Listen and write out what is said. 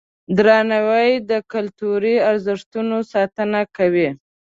درناوی د کلتوري ارزښتونو ساتنه کوي.